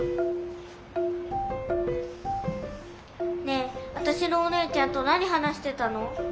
ねえわたしのお姉ちゃんと何話してたの？